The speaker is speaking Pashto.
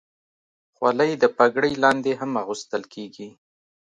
خولۍ د پګړۍ لاندې هم اغوستل کېږي.